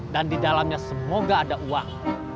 dan di dalamnya semoga ada uang